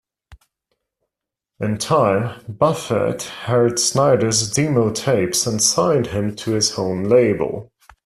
In time, Buffett heard Snider's demo tapes and signed him to his own label.